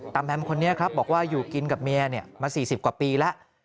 แมมคนนี้ครับบอกว่าอยู่กินกับเมียมา๔๐กว่าปีแล้ว